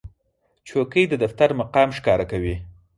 چوکۍ د دفتر مقام ښکاره کوي.